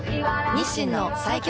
日清の最強